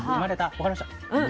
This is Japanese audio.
分かりました？